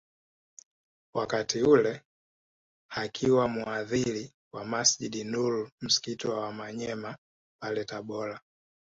Wakati ule akiwa muadhin wa Masjid Nur msikiti wa Wamanyema pale Tabora